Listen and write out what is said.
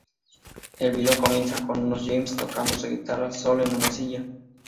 El video comienza con un James tocando su guitarra solo en una silla.